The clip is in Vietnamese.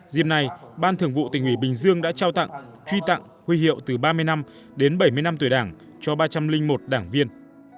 dìm nay ban thường vụ tỉnh ủy bình dương đã trao tặng truy tặng huy hiệu từ ba mươi năm đến bảy mươi năm tuổi đảng cho ba trăm linh một đảng viên